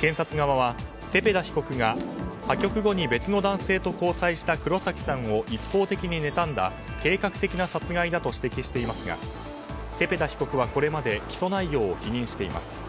検察側はセペダ被告が破局後に別の男性と交際した黒崎さんを一方的にねたんだ計画的な殺害だと指摘していますがセペダ被告は、これまで起訴内容を否認しています。